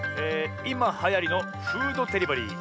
いまはやりのフードデリバリー。